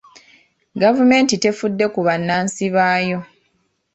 Gavumenti tefudde ku bannansi baayo.